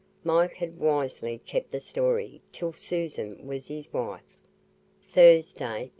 Mike had wisely kept the story till Susan was his wife. THURSDAY 16.